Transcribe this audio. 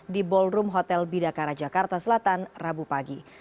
di ballroom hotel bidakara jakarta selatan rabu pagi